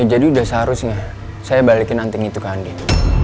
ya jadi udah seharusnya saya balikin anting itu ke anin